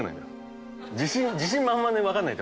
自信満々で分かんないと。